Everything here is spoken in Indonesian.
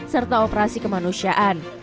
serta operasi kemanusiaan